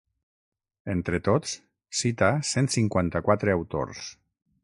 Entre tots, cita cent cinquanta-quatre autors.